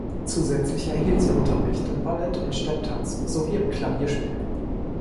Zusätzlich erhielt sie Unterricht in Ballett und Stepptanz sowie im Klavierspiel.